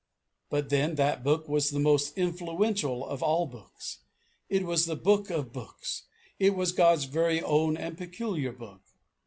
But, then, that book was the most influential of all books; it was the Book of books; it was God's very own and peculiar Book.